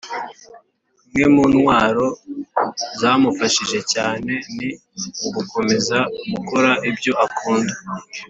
Imwe mu ntwaro zamufashije cyane ni ugukomeza gukora ibyo akunda,